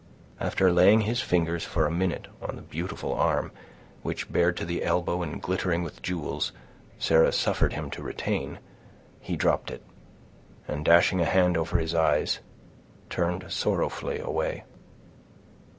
After laying his fingers for a minute on the beautiful arm, which, bared to the elbow and glittering with jewels, Sarah suffered him to retain, he dropped it, and dashing a hand over his eyes, turned sorrowfully away.